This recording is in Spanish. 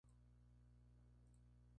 El Dr. Fernando Montoro y la Dra.